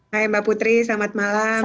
baik mbak putri selamat malam